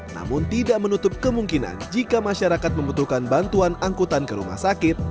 namun tidak menutup kemungkinan jika masyarakat membutuhkan bantuan angkutan ke rumah sakit